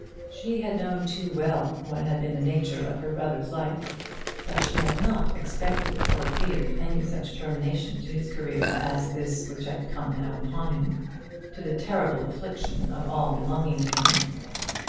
She had known too well what had been the nature of her brother's life, but she had not expected or feared any such termination to his career as this which had now come upon him to the terrible affliction of all belonging to him.